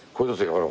ほら。